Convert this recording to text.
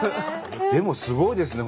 でもすごいですね。